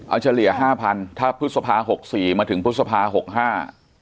เอาเฉลี่ยห้าพันถ้าพฤษภาหกสี่มาถึงพฤษภาหกห้า